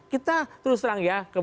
kita terus terang ya